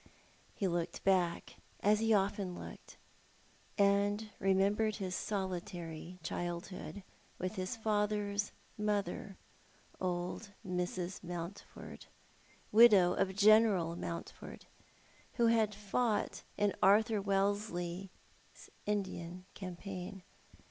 He looked back, as he often looked, and re membered his solitary childhood with his father's mother, old Mrs. Mountford, widow of General Mountford, who had fought in Arthur AVellesley's Indian campaign.